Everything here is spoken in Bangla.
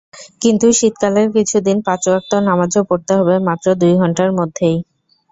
কিন্তু শীতকালের কিছুদিন পাঁচ ওয়াক্ত নামাজও পড়তে হবে মাত্র দুই ঘণ্টার মধ্যেই।